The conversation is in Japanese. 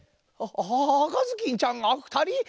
赤ずきんちゃんがふたり？